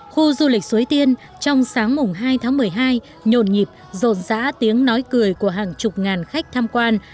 khu du lịch suối tiên trong sáng mùng hai tháng một mươi hai nhộn nhịp rộn rã tiếng nói cười của hàng chục ngàn khách tham quan